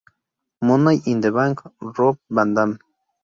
Money in the Bank, Rob Van Dam.